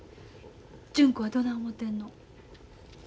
純子はどない思てんの？